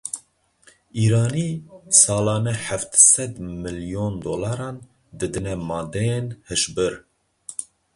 Îranî salane heft sed milyon dolaran didine madeyên hişbir.